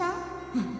うん